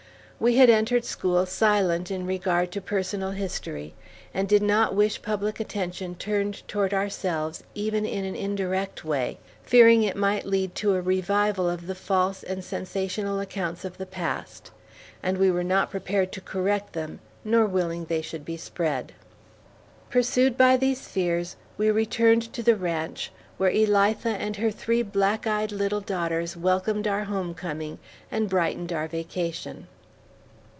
We had entered school silent in regard to personal history, and did not wish public attention turned toward ourselves even in an indirect way, fearing it might lead to a revival of the false and sensational accounts of the past, and we were not prepared to correct them, nor willing they should be spread. Pursued by these fears, we returned to the ranch, where Elitha and her three black eyed little daughters welcomed our home coming and brightened our vacation.